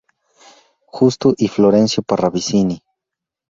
Justo y Florencio Parravicini.